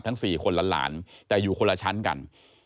๔คนหลานแต่อยู่คนละชั้นกัน